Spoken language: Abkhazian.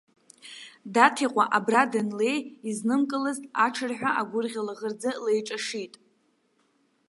Даҭикәа, абра данлеи изнымкылазт, аҽырҳәа агәырӷьа лаӷырӡы леиҿашит.